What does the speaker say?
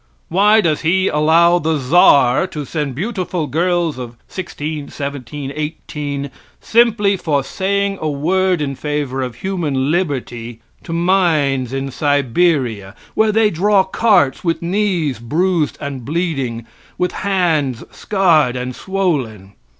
Why does He allow the Czar to send beautiful girls of sixteen, seventeen, eighteen, simply for saying a word in favor of human liberty, to mines in Siberia, where they draw carts with knees bruised and bleeding, with hands scarred and swollen?